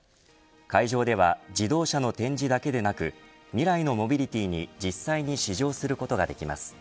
会場では自動車の展示だけでなく未来のモビリティーに実際に試乗することができます。